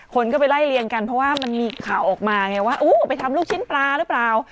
คนก็ไปไล่เลียงกันเพราะว่ามันมีข่าวออกมาไงว่าอู้ไปทำลูกชิ้นปลาหรือเปล่า